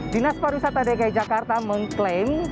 dinas pariwisata dki jakarta mengklaim